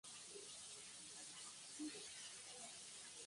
আজ এটি স্যাটেলাইটের মাধ্যমে সরাসরি সম্প্রচার করে।